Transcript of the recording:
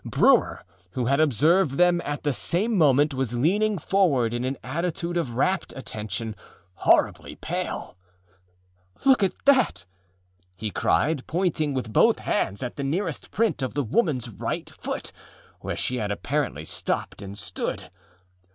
Brewer, who had observed them at the same moment, was leaning forward in an attitude of rapt attention, horribly pale. âLook at that!â he cried, pointing with both hands at the nearest print of the womanâs right foot, where she had apparently stopped and stood.